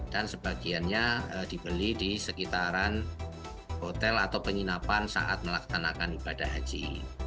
dan sebagiannya dibeli di sekitaran hotel atau penginapan saat melaksanakan ibadah haji